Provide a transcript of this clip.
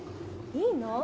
・いいの？